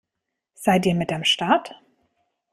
Seid ihr mit am Start?